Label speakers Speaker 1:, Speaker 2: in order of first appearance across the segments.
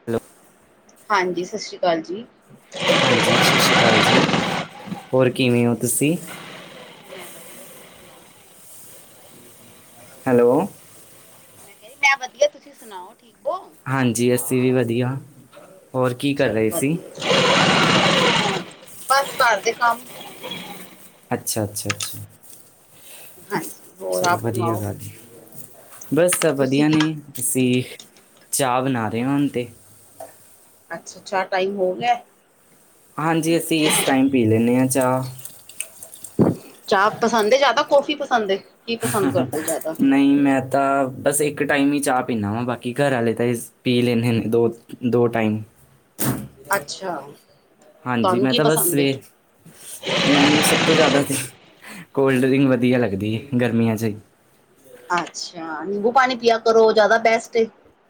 Speaker 1: [inaudible]
Speaker 2: ਹਾਂਜੀ, ਸਤਿ ਸ਼੍ਰੀ ਅਕਾਲ ਜੀ।
Speaker 1: ਹਾਂਜੀ, ਸਤਿ ਸ਼੍ਰੀ ਅਕਾਲ ਜੀ। ਹੋਰ ਕਿਵੇਂ ਓ ਤੁਸੀਂ? ਹੈਲੋੋ।
Speaker 2: ਮ ਬ [inaudible] ਤੁਸੀਂ ਸੁਣਾਓ ਠੀਕ ਓ?
Speaker 1: ਹਾਂਜੀ, ਅਸੀਂ ਵੀ ਵਧੀਆ। ਹੋਰ ਕੀ ਕਰ ਰਹੇ ਸੀ
Speaker 2: ਵਧੀਆ ਬਸ ਘਰਦੇ ਕੰਮ [unintelligible]
Speaker 1: ਅੱਛਾ ਅੱਛਾ ਅੱਛਾ।
Speaker 2: ਹਾਂਜੀ। ਹੋਰ
Speaker 1: ਚਲੋ
Speaker 2: ਆਪ
Speaker 1: ਵਧੀਆ
Speaker 2: ਸੁਣਾਓ
Speaker 1: ਗੱਲ ਏ। ਬਸ ਸਭ
Speaker 2: ਤੁਸੀਂ
Speaker 1: ਵਧੀਆ
Speaker 2: ਕੀ
Speaker 1: ਨੇ, ਤੁਸੀਂ ਵੀ ਚਾਹ ਬਣਾ ਰਹੇ ਓ ਹੁਣ ਤੇ।
Speaker 2: ਅੱਛਾ ਅੱਛਾ, ਟਾਈਮ ਹੋ ਗਿਆ ਏ।
Speaker 1: ਹਾਂਜੀ, ਅਸੀਂ ਇਸ ਟਾਈਮ ਪੀ ਲੈਂਦੇ ਹਾਂ ਚਾਹ।
Speaker 2: ਚਾਹ ਪਸੰਦ ਹੈ ਜ਼ਿਆਦਾ, ਕੌਫੀ ਪਸੰਦ ਏ।
Speaker 1: ਹੂੰ ਨਹੀਂ ਮੈਂ। ਤਾਂ, ਬਸ ਇੱਕ ਟਾਈਮ ਈ ਚਾਹ ਪੀਦਾ ਵਾਂ, ਬਾਕੀ ਘਰ ਆਲੇ ਤਾਂ ਪੀ ਲੈਂਦੇ ਨੇ ਦੋ ਟਾਈਮ।
Speaker 2: ਅੱਛਾ।
Speaker 1: ਹਾਂਜੀ
Speaker 2: ਤੁਹਾਨੂੰ
Speaker 1: ਮੈਂ
Speaker 2: ਕੀ
Speaker 1: ਤਾਂ ਬਸ
Speaker 2: ਪਸੰਦ
Speaker 1: ਸਵੇ
Speaker 2: ਏ
Speaker 1: ਮੈਨੂੰ ਸਭ, [unintelligible] [unintelligible] ਕੋਲਡ ਡਰਿੰਕ ਵਧੀਆ ਲੱਗਦੀ ਏ ਗਰਮੀਆਂ 'ਚ।
Speaker 2: ਅੱਛਾ, ਨਿੰਬੂ ਪਾਣੀ ਪੀਆ ਕਰੋ, ਜ਼ਿਆਦਾ ਬੈਸਟ ਐ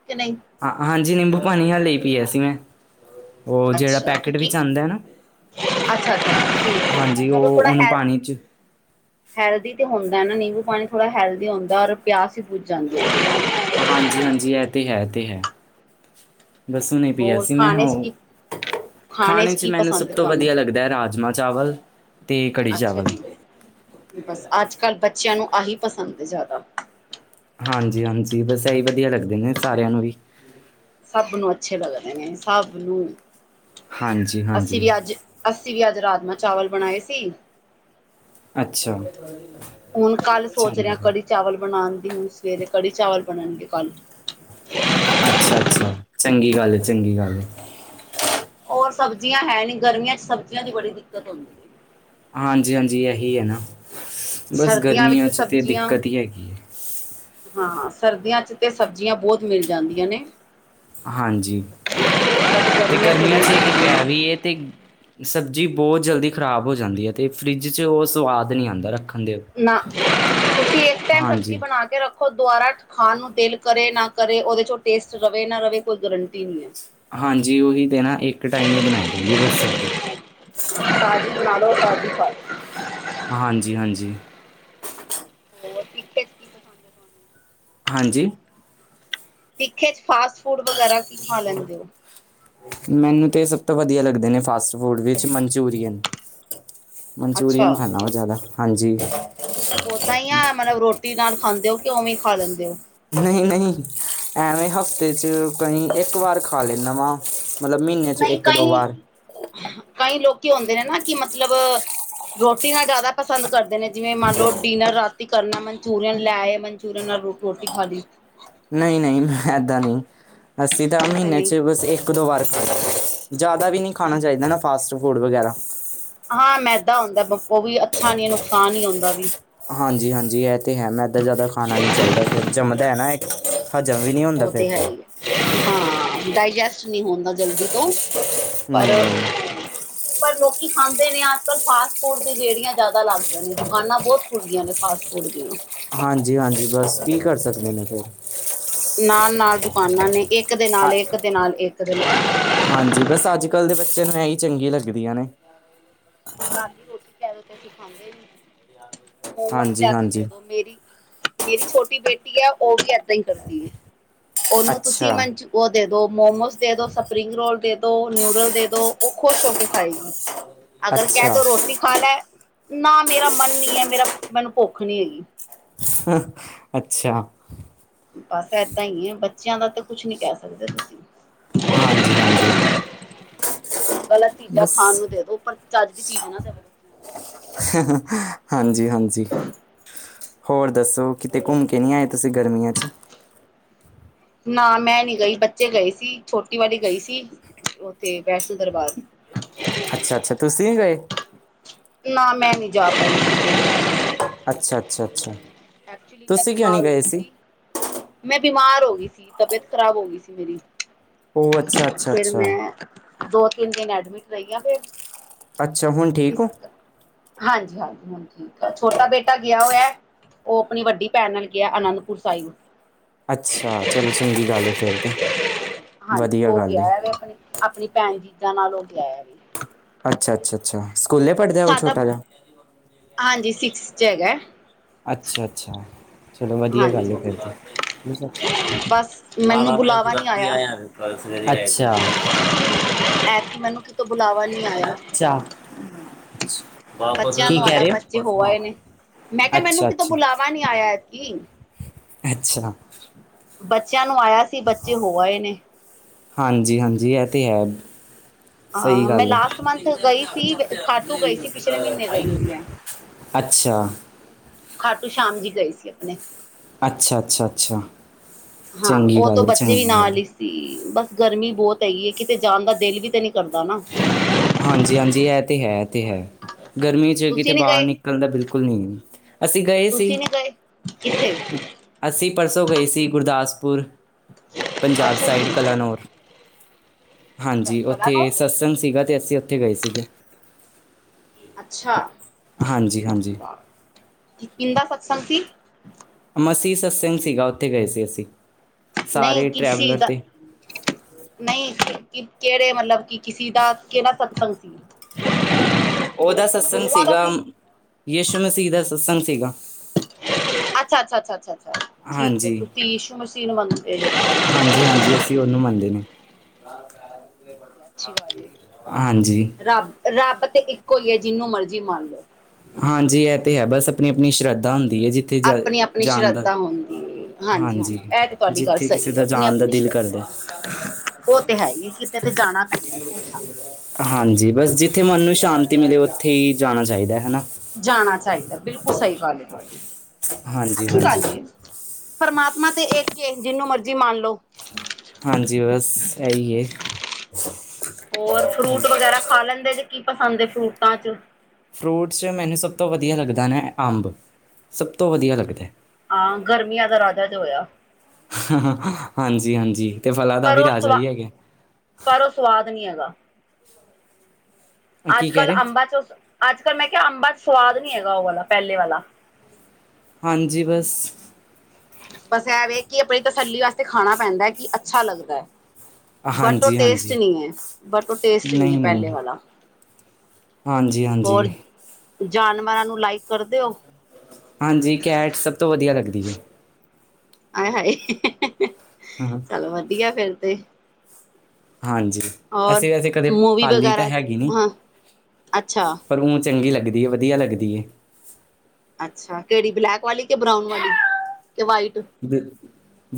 Speaker 2: ਕੇ ਨਹੀਂ?
Speaker 1: ਹਾਂ ਹਾਂਜੀ ਨਿੰਬੂ ਪਾਣੀ ਹੇ ਪੀਆ ਸੀ ਮੈਂ ਉਹ ਜਿਹੜਾ
Speaker 2: ਅੱਛਾ
Speaker 1: ਪੈਕੇਟ
Speaker 2: ਕਿਉਂਕਿ
Speaker 1: ਵਿੱਚ ਆਉਂਦਾ ਏ ਨਾ
Speaker 2: [inaudible]
Speaker 1: ਹਾਂਜੀ ਉਹ ਉਹਨੂੰ ਪਾਣੀ ਚ
Speaker 2: ਹੈਲਦੀ ਤੇ ਹੁੰਦਾ ਨਾ ਨਿੰਬੂ ਪਾਣੀ ਥੋੜ੍ਹਾ ਹੈਲਦੀ ਹੁੰਦਾ ਔਰ ਪਿਆਸ ਈ ਬੁੱਜ ਜਾਂਦੀ
Speaker 1: ਹਾਂਜੀ, ਹਾਂਜੀ ਏ ਤੇ ਹੈ ਤੇ ਹੈ ਬਸ ਉਹ ਨਹੀਂ ਪਿਆ
Speaker 2: ਹੋਰ
Speaker 1: ਸੀ ਮੈਂ
Speaker 2: ਖਾਣੇ ਚ
Speaker 1: ਉਹ
Speaker 2: ਕੀ
Speaker 1: [unintelligible] ਖਾਣੇ 'ਚ
Speaker 2: ਕੀ
Speaker 1: ਮੈਨੂੰ ਸਭ
Speaker 2: ਪਸੰਦ ਹੈ
Speaker 1: ਤੋਂ
Speaker 2: ਤੁਹਾਨੂੰ?
Speaker 1: ਵਧੀਆ ਲੱਗਦਾ ਰਾਜਮਾਂ ਚਾਵਲ ਤੇ ਕੜੀ
Speaker 2: ਅੱਛਾ
Speaker 1: ਚਾਵਲ
Speaker 2: ਜੀ। ਬਸ ਅੱਜ ਕੱਲ੍ਹ ਬੱਚਿਆਂ ਨੂੰ ਆਹੀ ਪਸੰਦ ਏ ਜ਼ਾਦਾ
Speaker 1: ਹਾਂਜੀ, ਹਾਂਜੀ ਬਸ ਏਹੀ ਵਧੀਆ ਲੱਗਦੇ ਨੇ ਸਾਰਿਆਂ ਨੂੰ ਵੀ
Speaker 2: ਸਭ ਨੂੰ ਅੱਛੇ ਲੱਗਦੇ ਨੇ ਸਭ ਨੂੰ
Speaker 1: ਹਾਂਜੀ
Speaker 2: ਅਸੀਂ
Speaker 1: ਹਾਂਜੀ
Speaker 2: ਵੀ ਅੱਜ ਅਸੀਂ ਵੀ ਅੱਜ ਰਾਜਮਾਂ ਚਾਵਲ ਬਣਾਏ ਸੀ।
Speaker 1: ਅੱਛਾਾਾਾਾਾ।
Speaker 2: ਹੁਣ, ਕੱਲ ਸੋਚ ਰਿਹਾ ਕੜੀ ਚਾਵਲ ਬਣਾਉਣ ਦੀ ਹੋ, ਸਵੇਰੇ ਕੜੀ ਚਾਵਲ ਬਣਣਗੇ ਕੱਲ।
Speaker 1: ਅੱਛਾ ਅੱਛਾ, ਚੰਗੀ ਗੱਲ ਏ ਚੰਗੀ ਗੱਲ ਏ।
Speaker 2: ਹੋਰ ਸਬਜ਼ੀਆਂ ਹੈ ਨੀ, ਗਰਮੀਆਂ ਚ ਸਬਜ਼ੀਆਂ ਦੀ ਬੜੀ ਦਿੱਕਤ ਹੁੰਦੀ ਏ।
Speaker 1: ਹਾਂਜੀ ਹਾਂਜੀ ਇਹੀ ਹੈ ਨਾ, ਬਸ
Speaker 2: ਸਰਦੀਆਂ ਵਿੱਚ
Speaker 1: ਗਰਮੀਆਂ
Speaker 2: ਤਾਂ
Speaker 1: 'ਚ ਤੇ
Speaker 2: ਸਬਜ਼ੀਆਂ
Speaker 1: ਦਿੱਕਤ ਹੀ ਹੈਗੀ ਐ।
Speaker 2: ਹਾਂ, ਸਰਦੀਆਂ ਚ ਤੇ ਸਬਜ਼ੀਆਂ ਬਹੁਤ ਮਿਲ ਜਾਂਦੀਆਂ ਨੇ।
Speaker 1: ਹਾਂਜੀ,
Speaker 2: ਬਟ
Speaker 1: ਤੇ ਗਰਮੀਆਂ
Speaker 2: ਨਹੀਂ
Speaker 1: ਚ ਇੱਕ
Speaker 2: ਮਿਲਦੀਆਂ।
Speaker 1: ਇਹ ਵੀ ਹੈ ਤੇ ਸਬਜ਼ੀ ਬਹੁਤ ਜਲਦੀ ਖ਼ਰਾਬ ਹੋ ਜਾਂਦੀ ਹੈ। ਅਤੇ ਫਰਿੱਜ 'ਚ ਉਹ ਸਵਾਦ ਨਹੀਂ ਆਉਂਦਾ ਰੱਖਣ ਦੇਤੇ।
Speaker 2: ਨਾ, ਤੁਸੀਂ ਇੱਕ ਟਾਈਮ ਸਬਜ਼ੀ ਬਣਾ ਕੇ ਰੱਖੋ। ਥੋ ਦੁਬਾਰਾ ਖਾਣ ਨੂੰ ਦਿਲ ਕਰੇ ਨਾ ਕਰੇ, ਉਹਦੇ ਚ ਟੇਸਟ ਰਵੇ ਨਾ ਰਵੇ, ਕੋਈ ਗਰੰਟੀ ਨਹੀਂ ਹੈ।
Speaker 1: ਹਾਂਜੀ, ਉਹੀ ਤੇ ਨਾ ਇੱਕ ਟਾਈਮ ਹੀ ਬਣਾਈ ਜਾਂਦੀਏ ਬ ਬਸ ਸਬਜ਼ੀ।
Speaker 2: ਸਜੀ ਨਾਲ ਲੋ ਪਾਜੀ ਫਾਲ [unintelligible]
Speaker 1: ਹਾਂਜੀ, ਹਾਂਜੀ
Speaker 2: [unintelligible] ਤੁਹਾਨੂੰ?
Speaker 1: ਹਾਂਜੀ
Speaker 2: ਤਿੱਖੇ ਚ ਫਾੱਸਟ ਫੂਡ ਵਗੈਰਾ ਕੀ ਖਾ ਲੈਂਦੇ ਓ
Speaker 1: ਮੈਨੂੰ ਤੇ ਸਭ ਤੋਂ ਵਧੀਆ ਲੱਗਦੇ ਨੇ ਫਾਸਟ ਫੂਡ ਵਿੱਚ ਮਨਚੂਰੀਅਨ।
Speaker 2: ਅੱਛਾ
Speaker 1: ਮਨਚੂਰੀਅਨ ਖਾਣਾ ਵਾ ਜ਼ਾਦਾ ਹਾਂਜੀ
Speaker 2: ਔਦਾ ਈ ਆ ਮਤਲਬ ਰੋਟੀ ਨਾਲ ਖਾਂਦੇ ਓ ਕਿ ਉਵੇਂ ਈ ਖਾ ਲੈਂਦੇ ਓ
Speaker 1: ਨਈ ਨਈ, ਐਵੇਂ ਹਫ਼ਤੇ 'ਚ ਕਈ ਇੱਕ ਵਾਰ ਖਾ ਲੈਂਨਾ ਵਾਂ ਮਤਲਬ ਮੀਨੇ ਚ
Speaker 2: ਨਹੀਂ
Speaker 1: ਇੱਕ ਦੋ
Speaker 2: ਕਈ
Speaker 1: ਵਾਰ।
Speaker 2: ਕਈ ਲੋਕੀ ਹੁੰਦੇ ਨੇ ਨਾ, ਕਿ ਮਤਲਬ ਰੋਟੀ ਨਾਲ ਜ਼ਾਦਾ ਪਸੰਦ ਕਰਦੇ ਨੇ ਜਿਵੇਂ ਮੰਨ ਲੋ ਡਿਨਰ ਰਾਤੀ ਕਰਨਾ, ਮਨਚੂਰੀਅਨ ਲੈਏ ਮਨਚੂਰੀਅਨ ਨਾਲ ਰੋ ਰੋਟੀ ਖਾਲੀ।
Speaker 1: ਨਈ ਨਈ ਏਦਾਂ ਨੀ, ਅਸੀਂ ਤਾਂ
Speaker 2: ਐਸੇ
Speaker 1: ਮਹੀਨੇ
Speaker 2: ਨਹੀਂ
Speaker 1: ਚ ਬਸ ਇੱਕ ਦੋ ਵਾਰ ਖਾ ਜ਼ਾਦਾ ਵੀ ਨੀ ਖਾਣਾ ਚਾਈਦਾ ਨਾ ਫਾਸਟ ਫੂਡ ਵਗੈਰਾ।
Speaker 2: ਹਾਂ, ਮੈਦਾ ਹੁੰਦਾ ਉਹ ਵੀ ਅੱਛਾ ਨੀ ਨੁਕਸਾਨ ਈ ਹੁੰਦਾ ਵੀ।
Speaker 1: ਹਾਂਜੀ, ਹਾਂਜੀ ਏ ਤੇ ਹੈ, ਮੈਦਾਂ ਜ਼ਾਦਾ ਖਾਣਾ ਨੀ ਚਾਈਦਾ ਫੇਰ ਜੰਮਦਾ ਹੈ ਨਾ ਇੱਕ ਹਜਮ ਵੀ ਨੀ
Speaker 2: ਉਹ ਤੇ ਹੈ ਈ ਹੈ ਹਾਂ, ਡਾਇਜੈਸਟ ਨੀ ਹੁੰਦਾ ਜਲਦੀ ਤੋ। ਪਰਲ
Speaker 1: ਨਹੀਂ-ਨਹੀਂ
Speaker 2: [unintelligible] [unintelligible] ਪਰ ਲੋਕੀ ਖਾਂਦੇ ਨੇ ਅੱਜ ਕੱਲ੍ਹ ਫਾਸਟ ਫੂਡ ਦੀ ਰੇੜੀਆਂ ਜ਼ਾਦਾ ਲੱਗ ਗੀਆਂ ਨੇ ਦੁਕਾਨਾਂ ਬੋਤ ਖੁੱਲ ਗਿਆਂ ਨੇ ਫਾਸਟ ਫੂਡ ਉਡਦੀਆਂ
Speaker 1: ਹਾਂਜੀ, ਹਾਂਜੀ ਬਸ ਕੀ ਕਰ ਸਕਦੇ ਨੇ ਫੇਰ?
Speaker 2: ਨਾਲ, ਨਾਲ ਦੁਕਾਨਾਂ ਨੇ ਇੱਕ ਦੇ
Speaker 1: ਹਾਂ
Speaker 2: ਨਾਲ ਇੱਕ ਦੇ ਨਾਲ ਇੱਕ ਦੇ ਨਾਲ
Speaker 1: ਹਾਂਜੀ, ਬਸ ਅੱਜ ਕੱਲ੍ਹ ਦੇ ਬੱਚਿਆਂ ਨੂੰ ਏਹੀ ਚੰਗੀ ਲੱਗਦੀਆਂ ਨੇ।
Speaker 2: ਰਾਤ ਦੀ ਰੋਟੀ ਕਹਿ ਦੋ ਤੇ ਅਸੀਂ ਖਾਂਦੇ ਮੋਮੋਸ ਲਿਆ ਕੇ ਦੇ
Speaker 1: ਹਾਂਜੀ-ਹਾਂਜੀ
Speaker 2: ਦੋ ਮੇਰੀ [unintelligible] ਮੇਰੀ ਛੋਟੀ ਬੇਟੀ ਏ ਉ ਵੀ ਏਦਾਂ ਈ ਕਰਦੀ ਹੈ, ਉਹਨੂੰ ਤੁਸੀਂ
Speaker 1: ਅੱਛਾ
Speaker 2: ਮੰਨ ਚ ਓ ਦੇ ਦੋ ਮੋਮੋਸ ਦੇ ਦੋ, ਸਪਰਿੰਗ ਰੋਲ ਦੇ ਦੋ, ਨਿਊਡਲ ਦੇ ਦੋ, ਓ ਖੁਸ਼ ਹੋ ਕੇ ਖਾਏਗੀ।
Speaker 1: ਅੱਛਾ
Speaker 2: ਏ ਦੋ ਰੋਟੀ ਖਾ ਲੈ ਨਾ ਮੇਰਾ ਮਨ ਨੀ ਏ ਮੇਰਾ ਮੈਨੂੰ ਭੁੱਖ ਨੀ ਹੈਗੀ
Speaker 1: ਹਾਂ, ਅੱਛਾ।
Speaker 2: ਬਸ, ਏਦਾਂ ਈ ਏ ਬੱਚਿਆਂ ਦਾ ਤਾਂ ਕੁਛ ਨੀ ਕੇ ਸਕਦੇ ਤੁਸੀਂ।
Speaker 1: ਹਾਂਜੀ, ਹਾਂਜੀ।
Speaker 2: ਗ਼ਲਤ ਚੀਜ਼ਾਂ
Speaker 1: ਬਸ
Speaker 2: ਖਾਣ ਨੂੰ ਦੇ ਦੋ, ਪਰ ਚੱਜ ਦੀ ਚੀਜ਼ ਨਾ ਦੇਵੇ।
Speaker 1: ਹਾਂਜੀ, ਹਾਂਜੀ। ਹੋਰ ਦੱਸੋ, ਕਿਤੇ
Speaker 2: ਨੂੰ
Speaker 1: ਘੁੰਮ ਕੇ ਨਹੀਂ ਆਏ ਤੁਸੀਂ ਗਰਮੀਆਂ ਚ?
Speaker 2: ਨਾ, ਮੈਂ ਨੀ ਗਈ ਬੱਚੇ ਗਏ ਸੀ ਛੋਟੀ ਵਾਲੀ ਗਈ ਸੀ ਉੱਥੇ ਵੈਸ਼ਨੋ ਦਰਬਾਰ।
Speaker 1: ਅੱਛਾ, ਅੱਛਾ ਤੁਸੀਂ ਨੀ ਗਏ।
Speaker 2: ਨਾ, ਮੈਂ ਨਹੀਂ ਜਾ ਸਕਦੀ।
Speaker 1: ਅੱਛਾ, ਅੱਛਾ, ਅੱਛਾ।
Speaker 2: ਐਕਚੁਲੀ, ਮੈਂ
Speaker 1: ਤੁਸੀਂ ਕਿਉਂ
Speaker 2: ਬਿਮਾਰ
Speaker 1: ਨਹੀਂ
Speaker 2: ਹੋ
Speaker 1: ਗਏ
Speaker 2: ਈ ਸੀ। ਮੈਂ ਬਿਮਾਰ ਹੋ ਗਈ ਸੀ, ਤਬੀਅਤ ਖ਼ਰਾਬ ਹੋ ਗਈ ਸੀ ਮੇਰੀ।
Speaker 1: ਉਹ ਅੱਛਾ ਅੱਛਾ
Speaker 2: ਫੇਿਰ
Speaker 1: ਅੱਛਾ
Speaker 2: ਮੈਂ, ਦੋ ਤਿੰਨ ਦਿਨ ਐਡਮਿਟ ਰਈ ਆ ਫੇਰ
Speaker 1: ਅੱਛਾ, ਹੁਣ ਠੀਕ
Speaker 2: ਇਸ
Speaker 1: ਹੋ
Speaker 2: ਹਾਂਜੀ, ਹਾਂਜੀ, ਹਾਂਜੀ। ਠੀਕ ਆ, ਛੋਟਾ ਬੇਟਾ ਗਿਆ ਹੋਇਆ ਓ ਆਪਣੀ ਵੱਡੀ ਭੈਣ ਨਾਲ ਗਿਆ ਅਨੰਦਪੁਰ ਸਾਇਬ।
Speaker 1: ਅੱਛਾ, ਚਲੋ ਚੰਗੀ ਗੱਲ ਏ ਫੇਰ ਤੇ
Speaker 2: ਹਾਂਜੀ
Speaker 1: ਵਧੀਆ
Speaker 2: ਉਹ
Speaker 1: ਗੱਲ ਏ।
Speaker 2: ਗਿਆ ਹੈ ਆਪਣੀ ਆਪਣੀ ਭੈਣ, ਜੀਜਾ ਨਾਲ ਹੋ ਕੇ ਆਇਆ ਵੀ।
Speaker 1: ਅੱਛਾ, ਅੱਛਾ, ਅੱਛਾ ਸਕੂਲੇ ਪੜ੍ਹਦੇ ਆ ਉਹ
Speaker 2: ਸਾਡਾ
Speaker 1: ਛੋਟਾ ਜਿਹਾ?
Speaker 2: ਹਾਂਜੀ, ਸਿਕਸ ਚ ਹੈਗਾ।
Speaker 1: ਅੱਛਾ, ਅੱਛਾ ਚਲੋ ਵਧੀਆ ਗੱਲ ਹੈ
Speaker 2: ਹਾਂਜੀ
Speaker 1: ਫਿਰ। ਨਾ,
Speaker 2: ਬਸ ਮੈਨੂੰ
Speaker 1: ਨਾ ਮੈਂ
Speaker 2: ਬੁਲਾਵਾ ਨਹੀਂ
Speaker 1: ਜਗਾਦਰੀ ਆਇਆ ਕੱਲ ਸਵੇਰੇ। [unintelligible]
Speaker 2: [unintelligible] ਐਤਕੀਂ ਮੈਨੂੰ ਕਿਤੋਂ ਬੁਲਾਵਾ ਨਹੀਂ ਆਇਆ।
Speaker 1: ਚਾ, ਚੂ
Speaker 2: ਬੱਚਿਆਂ ਨੂੰ ਆਇਆ, ਬੱਚੇ ਹੋ ਆਏ ਨੇ। ਮੈਂ ਕਿਹਾ, ਮੈਨੂੰ
Speaker 1: ਅੱਛਾ
Speaker 2: ਕਿਤੋਂ
Speaker 1: ਅੱਛਾ
Speaker 2: ਬੁਲਾਵਾ ਨੀ ਆਇਆ ਐਤਕੀਂ।
Speaker 1: ਅੱਛਾ
Speaker 2: ਬੱਚਿਆਂ ਨੂੰ ਆਇਆ ਸੀ, ਬੱਚੇ ਹੋ ਆਏ ਨੇ।
Speaker 1: ਹਾਂਜੀ, ਹਾਂਜੀ ਇਹ ਤੇ ਹੈ। ਸਹੀ
Speaker 2: ਅ ਮੈਂ
Speaker 1: ਗੱਲ ਏ।
Speaker 2: ਲਾਸਟ ਮੰਥ ਗਈ ਸੀ ਖਾਟੂ ਗਈ ਸੀ ਪਿਛਲੇ ਮਹੀਨੇ ਗਈ ਸੀ ਮੈਂ
Speaker 1: ਅੱਛਾ,
Speaker 2: ਖਾਟੂ ਸ਼ਾਮ ਜੀ ਗਏ ਸੀ ਆਪਣੇ।
Speaker 1: ਅੱਛਾ ਅੱਛਾ ਅੱਛਾ ਚੰਗੀ ਗੱਲ ਏ ਚੰਗੀ ਗੱਲ।
Speaker 2: ਤੇ ਬਸ ਗਰਮੀ ਬਹੁਤ ਹੈਗੀ ਏ ਕਿਤੇ ਜਾਣ ਦਾ ਦਿਲ ਵੀ ਤਾਂ ਨਹੀਂ ਕਰਦਾ ਨਾ।
Speaker 1: ਹਾਂਜੀ ਹਾਂਜੀ, ਇਹ ਤੇ ਹੈ ਏ ਤੇ ਹੈ ਗਰਮੀ ਚ ਕਿਤੇ
Speaker 2: ਤੁਸੀਂ ਨੀ
Speaker 1: ਬਾਹਰ
Speaker 2: ਗਏ
Speaker 1: ਨਿਕਲਣ ਦਾ ਬਿਲਕੁਲ ਨਹੀਂ। ਅਸੀਂ ਗਏ ਸੀ।
Speaker 2: ਤੁਸੀਂ ਨੀ ਗਏ ਕਿੱਥੇ
Speaker 1: ਅਸੀਂ ਪਰਸੋਂ ਗਏ ਸੀ ਗੁਰਦਾਸਪੁਰ ਪੰਜਾਬ
Speaker 2: ਅੱਛਾ
Speaker 1: ਸਾਈਡ
Speaker 2: ਜੀ
Speaker 1: ਕਲਾਨੌਰ। ਹਾਂਜੀ
Speaker 2: ਕਲਾ
Speaker 1: ਉੱਥੇ
Speaker 2: ਨੂੰ
Speaker 1: ਸਤਸੰਗ ਸੀਗਾ ਤੇ ਅਸੀਂ ਉੱਥੇ ਗਏ ਸੀਗੇ।
Speaker 2: ਅੱਛਾ,
Speaker 1: ਹਾਂਜੀ ਹਾਂਜੀ,
Speaker 2: ਕਿਦਾ ਸਤਸੰਗ ਸੀ?
Speaker 1: ਮਸੀਹ ਸਤਸੰਗ ਸੀਗਾ ਉੱਥੇ ਗਏ ਸੀ ਅਸੀਂ ਸਾਰੇ
Speaker 2: ਨਹੀਂ ਕਿਸ ਚੀਜ਼
Speaker 1: ਟਰੈਵਲਰ
Speaker 2: ਦਾ
Speaker 1: 'ਤੇ।
Speaker 2: ਨਹੀਂ ਕਿ ਕਿਹੜੇ ਮਤਲਬ ਕਿ ਕਿਸੇ ਦਾ ਕਿਹੜਾ? ਸਤਸੰਗ ਸੀ। ਮਤਲਬ
Speaker 1: ਉਹਦਾ ਸਤਸੰਗ
Speaker 2: ਗੁਰੂਆਂ ਦਾ
Speaker 1: ਸੀਗਾ
Speaker 2: ਸੀ
Speaker 1: ਯਸ਼ੂ ਮਸੀਹ ਦਾ ਸਤਸੰਗ ਸੀਗਾ।
Speaker 2: ਅੱਛਾ ਅੱਛਾ, ਅੱਛਾ ਅੱਛਾ, ਠੀਕ ਏ
Speaker 1: ਹਾਂਜੀ
Speaker 2: ਤੁਸੀਂ ਯਸੂ਼ ਮਸੀਹ ਨੂੰ ਮੰਨਦੇ
Speaker 1: ਹਾਂਜੀ ਹਾਂਜੀ
Speaker 2: ਦੇ।
Speaker 1: ਅਸੀਂ ਉਹਨੂੰ ਮੰਨਦੇ ਨੇ
Speaker 2: ਅੱਛੀ ਗੱਲ ਏ
Speaker 1: ਹਾਂਜੀ।
Speaker 2: ਰੱਬ ਰੱਬ ਤੇ ਇੱਕੋ ਈ ਐ ਜਿਹਨੂੰ ਮਰਜ਼ੀ ਮੰਨ ਲਓ।
Speaker 1: ਹਾਂਜੀ ਇਹ ਤੇ ਹੈ ਬਸ ਆਪਣੀ ਆਪਣੀ ਸ਼ਰਧਾ ਹੁੰਦੀ ਐ ਜਿੱਥੇ ਜਾ
Speaker 2: ਆਪਣੀ ਆਪਣੀ
Speaker 1: ਜਾਣ ਦਾ
Speaker 2: ਸ਼ਰਧਾ ਹੁੰਦੀ ਹੈ ਹਾਂਜੀ ਹਾਂਜੀ ਇਹ ਤਾਂ ਤੁਹਾਡੀ ਗੱਲ
Speaker 1: ਜਿੱਥੇ ਕਿਸੇ
Speaker 2: ਸਹੀ ਹ।
Speaker 1: ਦਾ
Speaker 2: ਆਪਣੀ
Speaker 1: ਜਾਣ ਦਾ
Speaker 2: ਆਪਣੀ
Speaker 1: ਦਿਲ ਕਰਦਾ
Speaker 2: ਸ਼ਰਧਾ ਓ ਤੇ ਹੈ ਈ ਕਿਤੇ ਤੇ ਜਾਣਾ ਪੈਂਦਾ ਕੋਈ ਨਾ
Speaker 1: ਹਾਂਜੀ, ਬਸ ਜਿੱਥੇ ਮਨ ਨੂੰ ਸ਼ਾਂਤੀ ਮਿਲੇ ਓਥੇ ਈ ਜਾਣਾ ਚਾਹੀਦਾ ਹਨਾ।
Speaker 2: ਜਾਣਾ ਚਾਹੀਦਾ ਬਿਲਕੁੱਲ ਸਈ ਗੱਲ ਐ
Speaker 1: ਹਾਂਜੀ ਹਾਂਜੀ
Speaker 2: ਤੁਹਾਡੀ [unintelligible] ਪਰਮਾਤਮਾ ਤੇ ਇੱਕ ਏ ਜਿਨੂੰ ਮਰਜ਼ੀ ਮੰਨ ਲੋ।
Speaker 1: ਹਾਂਜੀ ਬਸ ਐ ਈ ਐ।
Speaker 2: ਹੋਰ ਫਰੂਟ ਵਗੈਰਾ ਖਾ ਲੈਂਦੇ ਜੇ ਕੀ ਪਸੰਦ ਫਰੂਟਾਂ ਚ?
Speaker 1: ਫਰੂਟਸ ਚ ਮੈਨੂੰ ਸਭ ਤੋਂ ਵਧੀਆ ਲੱਗਦਾ ਨੇ ਅੰਬ ਸਭ ਤੋਂ ਵਧੀਆ ਲੱਗਦਾ।
Speaker 2: ਹਾਂ ਗਰਮੀਆਂ ਦਾ ਰਾਜਾ ਜੋ ਹੋਇਆ।
Speaker 1: ਹਾਂਜੀ-ਹਾਂਜੀ ਤੇ ਫਲਾਂ ਦਾ
Speaker 2: ਪਰ
Speaker 1: ਵੀ
Speaker 2: ਉਹ
Speaker 1: ਰਾਜਾ
Speaker 2: ਸਵਾ
Speaker 1: ਈ ਹੈਗਾ।
Speaker 2: ਪਰ ਓ ਸੁਆਦ ਨੀ ਹੈਗਾ।
Speaker 1: ਕੀ
Speaker 2: ਅੱਜ
Speaker 1: ਕਹਿ ਰਹੇ
Speaker 2: ਕੱਲ੍ਹ
Speaker 1: ਹੋ
Speaker 2: ਅੰਬ ਚ ਅੱਜ ਕੱਲ ਮੈਂ ਕਿਹਾ ਅੰਬਾ ਚ ਸਵਾਦ ਨੀ ਹੈਗਾ ਉਹ ਵਾਲਾ ਪਹਿਲੇ ਵਾਲਾ।
Speaker 1: ਹਾਂਜੀ ਬਸ
Speaker 2: ਬਸ ਇਹ ਵੇ ਕਿ ਆਪਣੀ ਤਸੱਲੀ ਵਾਸਤੇ ਖਾਣਾ ਪੈਂਦਾ ਕਿ ਅੱਛਾ ਲੱਗਦਾ ਏ। ਬਟ ਉਹ
Speaker 1: ਹਾਂਜੀ
Speaker 2: ਟੇਸਟ
Speaker 1: ਹਾਂਜੀ
Speaker 2: ਨਹੀਂ ਏ ਬਟ ਉਹ ਟੇਸਟ ਨਹੀਂ ਏ ਪਹਿਲੇ ਵਾਲਾ।
Speaker 1: ਹਾਂਜੀ
Speaker 2: ਹੋਰ
Speaker 1: ਹਾਂਜੀ
Speaker 2: ਜਾਨਵਰਾਂ ਨੂੰ ਲਾਈਕ ਕਰ ਦੇ ੳ?
Speaker 1: ਹਾਂਜੀ ਕੈਟ ਸਭ ਤੋਂ ਵਧੀਆ ਲੱਗਦੀ ਐ।
Speaker 2: ਆਏ ਹਾਏ
Speaker 1: ਹਾਂ
Speaker 2: ਚੱਲ ਵਧੀਆ ਫੇਰ ਤੇ।
Speaker 1: ਹਾਂਜੀ,
Speaker 2: ਔਰ
Speaker 1: ਅਸੀਂ ਵੈਸੇ ਕਦੇ
Speaker 2: ਮੂਵੀ
Speaker 1: ਪਾਲੀ ਤਾਂ
Speaker 2: ਵਗੈਰਾ
Speaker 1: ਹੈਗੀ ਨਹੀਂ
Speaker 2: ਹਾਂ ਅੱਛਾ,
Speaker 1: ਪਰ ਊਂਂ ਚੰਗੀ ਲੱਗਦੀ ਐ ਵਧੀਆ ਲੱਗਦੀ ਐ।
Speaker 2: ਅੱਛਾ ਕਿਹੜੀ ਬਲੈਕ ਵਾਲੀ ਕਿ ਬਰਾਊਨ ਵਾਲੀ ਕਿ ਵਾਈਟ?
Speaker 1: ਦੇ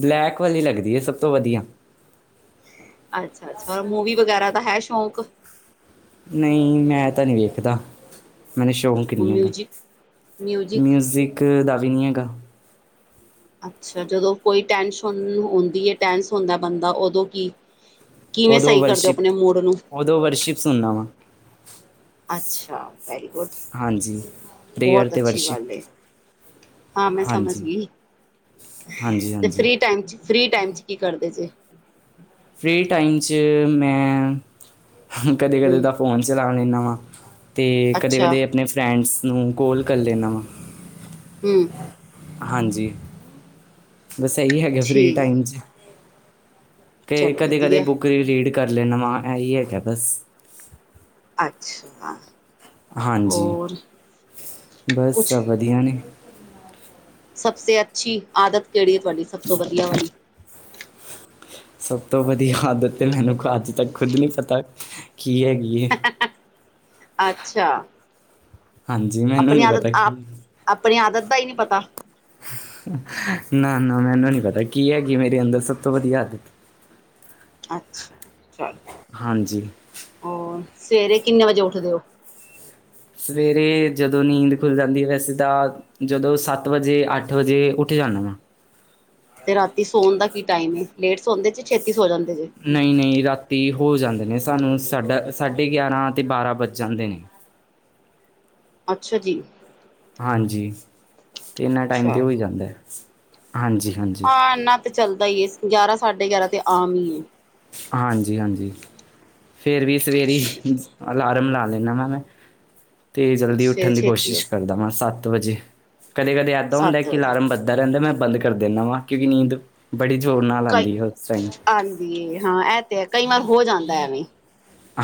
Speaker 1: ਬਲੈਕ ਵਾਲੀ ਲੱਗਦੀ ਐ ਸਭ ਤੋਂ ਵਧੀਆ।
Speaker 2: ਅੱਛਾ-ਅੱਛਾ ਓਰ ਮੂਵੀ ਵਗੈਰਾ ਦਾ ਹੈ ਸ਼ੌਕ?
Speaker 1: ਨਈ ਮੈਂ ਤਾਂ ਨੀ ਵੇਖਦਾ ਮੈਨੂੰ ਸ਼ੌਕ ਨੀ ਹੈਗਾ
Speaker 2: ਮਿਊਜਿਕ ਮਿਊਜਿਕ
Speaker 1: ਮਿਊਜ਼ਿਕ ਦਾ ਵੀ ਨੀ ਹੈਗਾ।
Speaker 2: ਅੱਛਾ ਜਦੋਂ ਕੋਈ ਟੈਂਸ਼ਨ ਹੁੰਦੀ ਐ ਟੈਂਸ ਹੁੰਦਾ ਬੰਦਾ ਓਦੋਂ ਕੀ? ਕਿਵੇਂ
Speaker 1: ਓਦੋਂ
Speaker 2: ਸਹੀ ਕਰਦੇ ਹੋ
Speaker 1: ਵਰਸ਼ਿਪ
Speaker 2: ਆਪਣੇ ਮੂਡ ਨੂੰ
Speaker 1: ਓਦੋਂ ਵਰਸ਼ਿਪ ਸੁਣਨਾ ਵਾ।
Speaker 2: ਅੱਛਾ ਵੈਰੀ ਗੁੱਡ
Speaker 1: ਹਾਂਜੀ ਪ੍ਰੇਅਰ
Speaker 2: ਬੋਤ
Speaker 1: ਅਤੇ
Speaker 2: ਅੱਛੀ
Speaker 1: ਵਰਸ਼ਿਪ
Speaker 2: ਗੱਲ ਏ। ਹਾਂ ਮੈਂ ਸਮਝ
Speaker 1: ਹਾਂਜੀ
Speaker 2: ਗੀ
Speaker 1: ਹਾਂਜੀ
Speaker 2: ਤੇ
Speaker 1: ਹਾਂਜੀ
Speaker 2: ਫ੍ਰਰੀ ਟਾਈਮ ਚ ਫ੍ਰੀ ਟਾਈਮ ਚ ਕੀ ਕਰਦੇ ਜੇ।
Speaker 1: ਫ੍ਰੀ ਟਾਈਮ ਚ ਮੈਂ ਕਦੇ-ਕਦੇ
Speaker 2: ਹੂੰ
Speaker 1: ਤਾਂ ਫੋਨ ਚਲਾ ਲੈਂਨਾ ਵਾਂ ਤੇ
Speaker 2: ਅੱਛਾ
Speaker 1: ਕਦੇ-ਕਦੇ ਆਪਣੇ ਫਰੈਂਡਸ ਨੂੰ ਕੋਲ ਕਰ ਲੈਂਨਾ ਵਾ।
Speaker 2: ਹੂੰ।
Speaker 1: ਹਾਂਜੀ। ਬਸ ਐਹੀ ਹੈਗਾ ਫਰੀ
Speaker 2: ਠੀਕ
Speaker 1: ਟਾਈਮ ਚ। ਕਿ
Speaker 2: ਚਲੋ
Speaker 1: ਕਦੇ-ਕਦੇ
Speaker 2: ਵਧੀਆ
Speaker 1: ਬੁੱਕ ਰੀਡ ਕਰ ਲੈਨਾ ਵਾਂ ਐਹੀ ਹੈਗਾ ਬਸ।
Speaker 2: ਅੱਛਾ।
Speaker 1: ਹਾਂਜੀ
Speaker 2: ਹੋਰ
Speaker 1: ਬਸ ਸਭ ਵਧੀਆ ਨੇ।
Speaker 2: ਸਭਸੇ ਅੱਛੀ ਆਦਤ ਕੇਡੀ ਐ ਤੁਹਾਡੀ ਸਭ ਤੋਂ ਵਧੀਆ ਵਾਲੀ।
Speaker 1: ਸਭ ਤੋਂ ਵਧੀਆ ਆਦਤ ਤੇ ਮੈਨੂੰ ਅੱਜ ਤੱਕ ਖੁਦ ਨੀ ਪਤਾ ਕੀ ਏ
Speaker 2: ਅੱਛਾ।
Speaker 1: ਹਾਂਜੀ ਮੈਨੂੰ
Speaker 2: ਆਪਣੀ
Speaker 1: ਨਹੀਂ
Speaker 2: ਆਦਤ
Speaker 1: ਪਤਾ
Speaker 2: ਆਪ
Speaker 1: ਕੀ
Speaker 2: ਆਪਣੀ ਆਦਤ ਦਾ ਈ ਨੀ ਪਤਾ।
Speaker 1: ਨਾ-ਨਾ ਮੈਨੂੰ ਨੀ ਪਤਾ ਕੀ ਹੈਗੀ ਮੇਰੇ ਅੰਦਰ ਸਭ ਤੋਂ ਵਧੀਆ ਆਦਤ।
Speaker 2: ਅੱਛਾ ਚਲੋ।
Speaker 1: ਹਾਂਜੀ।
Speaker 2: ਹੋਰ ਸਵੇਰੇ ਕਿੰਨੇ ਵਜੇ ਉੱਠਦੇ ਓ?
Speaker 1: ਸਵੇਰੇ ਜਦੋਂ ਨੀਂਦ ਖੁੱਲ ਜਾਂਦੀ ਵੈਸੇ ਤਾ ਜਦੋਂ ਸੱਤ ਵਜੇ, ਅੱਠ ਵਜੇ, ਉੱਠ ਜਾਂਦਾ ਵਾ।
Speaker 2: ਤੇ ਰਾਤੀ ਸੌਣ ਦਾ ਕੀ ਟਾਈਮ ਏ ਲੇਟ ਸੌਂਦੇ ਜੇ ਛੇਤੀ ਸੌ ਜਾਂਦੇ ਜੇ।
Speaker 1: ਨਈ-ਨਈ ਰਾਤੀ ਹੋ ਜਾਂਦੇ ਨੇ ਸਾਨੂੰ ਸਾਡਾ ਸਾਢੇ ਗਿਆਰ੍ਹਾਂ ਤੇ ਬਾਰ੍ਹਾਂ ਵੱਜ ਜਾਂਦੇ ਨੇ।
Speaker 2: ਅੱਛਾ ਜੀ।
Speaker 1: ਹਾਂਜੀ ਤੇ ਇੰਨਾਂ ਟਾਈਮ ਤੇ ਹੋ
Speaker 2: ਚਲੋ
Speaker 1: ਜਾਂਦਾ ਹਾਂਜੀ। ਹਾਂਜੀ
Speaker 2: ਹਾਂ ਇੰਨਾ ਤੇ ਚੱਲਦਾ ਈ ਗਿਆਰਾਂ ਸਾਢੇ ਗਿਆਰਾਂ ਤੇ ਆਮ ਹੀ ਏ।
Speaker 1: ਹਾਂਜੀ-ਹਾਂਜੀ ਫੇਰ ਵੀ ਸਵੇਰੇ ਅਲਾਰਮ ਲਾ ਲੈਂਦਾ ਵਾਂ ਮੈਂ ਤੇ ਜਲਦੀ
Speaker 2: ਸਵੇਰੇ
Speaker 1: ਉੱਠਣ ਦੀ
Speaker 2: ਛੇਤੀ
Speaker 1: ਕੋਸ਼ਿਸ਼
Speaker 2: ਉੱਠ
Speaker 1: ਕਰਦਾ ਵਾਂ ਸੱਤ ਵਜੇ। ਕਦੇ-ਕਦੇ ਇੱਦਾਂ ਹੁੰਦਾ
Speaker 2: ਸੱਤ
Speaker 1: ਕਿ
Speaker 2: ਵਜੇ
Speaker 1: ਅਲਾਰਮ ਵਜਦਾ ਰਹਿੰਦਾ ਮੈਂ ਬੰਦ ਕਰ ਦਿੰਦਾ ਵਾਂ ਕਿਉਂਕਿ ਨੀਂਦ ਬੜੀ ਜ਼ੋਰ ਨਾਲ ਆਉਂਦੀ ਹੈ ਉਸ ਟਾਈਮ।
Speaker 2: ਹਾਂਜੀ ਹਾਂ ਇਹ ਤੇ ਹੈ ਕਈ ਵਾਰ ਹੋ ਜਾਂਦਾ ਐਵੇਂ।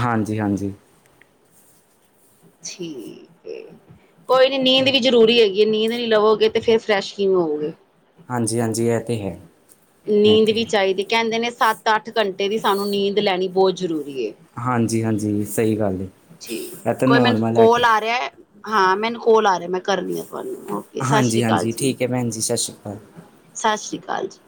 Speaker 1: ਹਾਂਜੀ-ਹਾਂਜੀ
Speaker 2: ਠੀਕ ਏ। ਕੋਈ ਨੀ ਨੀਂਦ ਵੀ ਜ਼ਰੂਰੀ ਹੈਗੀ ਏ ਨੀਂਦ ਨੀ ਲਵੋਗੇ ਤੇ ਫੇਰ ਫਰੈਸ਼ ਕਿਵੇਂ ਹੋਉਗੇ।
Speaker 1: ਹਾਂਜੀ-ਹਾਂਜੀ ਐ ਤੇ ਹੈ। ਇਹ
Speaker 2: ਨੀਂਦ
Speaker 1: ਤੇ
Speaker 2: ਵੀ
Speaker 1: ਹੈ
Speaker 2: ਚਾਈਦੀ ਕੇਂਦੇ ਨੇ ਸੱਤ ਅੱਠ ਘੰਟੇ ਦੀ ਸਾਨੂੰ ਨੀਂਦ ਲੈਣੀ ਬੋ ਜ਼ਰੂਰੀ ਏ।
Speaker 1: ਹਾਂਜੀ-ਹਾਂਜੀ ਸਈ ਗੱਲ ਏ।
Speaker 2: ਜੀ
Speaker 1: ਇਹ ਤਾਂ
Speaker 2: ਕੋਈ ਮੈਨੂੰ
Speaker 1: ਨੋਰਮਲ ਹੈਗਾ
Speaker 2: ਕੋਲ ਆ ਰਿਐ ਹਾਂ ਮੈਨੂੰ ਕੋਲ ਆ ਰਿਆ ਮੈਂ ਕਰਨੀ ਆ। ਤੁਆਨੂੰ ਓਕੇ ਸਸ ਸ੍ਰੀ
Speaker 1: ਹਾਂਜੀ
Speaker 2: ਕਾਲ
Speaker 1: ਹਾਂਜੀ
Speaker 2: ਜੀ,
Speaker 1: ਠੀਕ ਹੈ ਭੈਣ ਜੀ ਸਤਿ ਸ਼੍ਰੀ ਅਕਾਲ
Speaker 2: ਸਸ ਸ੍ਰੀ ਕਾਲ ਜੀ।